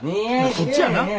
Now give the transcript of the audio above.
そっちやな。